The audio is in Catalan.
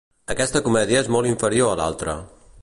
Aquesta comèdia és molt inferior a l'altra.